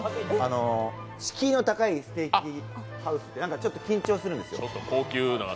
敷居の高いステーキハウスってちょっと緊張するんですよ。